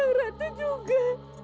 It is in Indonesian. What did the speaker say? yang ratu juga